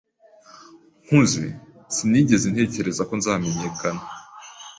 Nkuze, sinigeze ntekereza ko nzamenyekana.